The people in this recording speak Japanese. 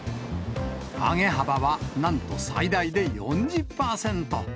上げ幅は、なんと最大で４０％。